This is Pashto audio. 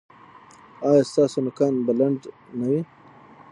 ایا ستاسو نوکان به لنډ نه وي؟